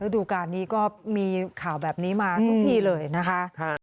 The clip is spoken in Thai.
ดูการนี้ก็มีข่าวแบบนี้มาทุกทีเลยนะคะ